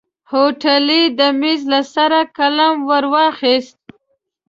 هوټلي د ميز له سره قلم ور واخيست.